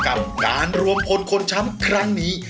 กับการรวมพลคนช้ำครั้งนี้